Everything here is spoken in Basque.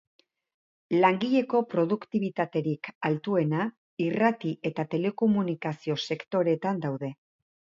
Langileko produktibitaterik altuena irrati eta telekomunikazio sektoreetan daude.